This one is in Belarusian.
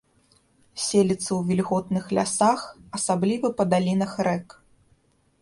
Селіцца ў вільготных лясах, асабліва па далінах рэк.